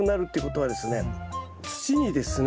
土にですね